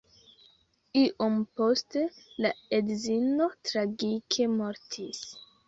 Iom poste la edzino tragike mortis.